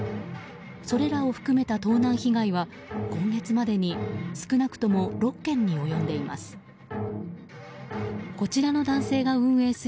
それらを含めた盗難被害は今月までに少なくとも６件に及んでいます。